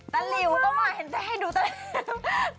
ตั้นหลิวต้องมาให้ดูตั้นหลิว